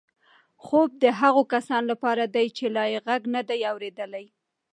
خوب د هغو کسانو لپاره دی چې لا یې غږ نه دی اورېدلی.